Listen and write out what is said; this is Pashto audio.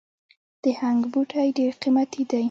د هنګ بوټی ډیر قیمتي دی